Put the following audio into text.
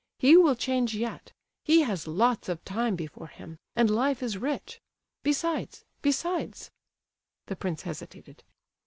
He will change yet, he has lots of time before him, and life is rich; besides—besides..." the prince hesitated.